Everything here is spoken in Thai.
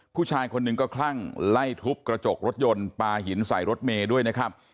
ผู้ชายคนหนึ่งก็คลั่งไล่ทุบกระจกรถยนต์ปลาหินใส่รถเมย์ด้วยนะครับ